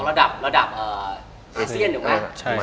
ระดับไอเซียนอยู่ไหม